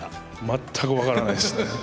全く分からないですね。